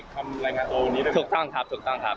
คำรายงานตัวนี้หรือเปล่าถูกต้องครับ